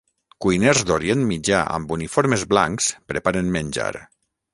cuiners d'Orient Mitjà amb uniformes blancs preparen menjar.